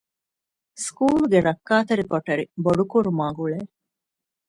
ސްކޫލުގެ ރައްކާތެރި ކޮޓަރި ބޮޑުކުރުމާއި ގުޅޭ